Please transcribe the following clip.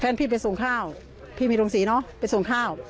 พี่ไปส่งข้าวพี่มีโรงศรีเนอะไปส่งข้าว